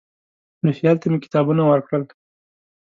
روهیال ته مې کتابونه ورکړل.